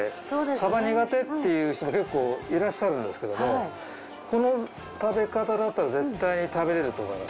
サバ苦手っていう人も結構いらっしゃるんですけどもこの食べ方だったら絶対に食べられると思います。